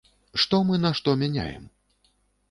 Што мы на што мяняем?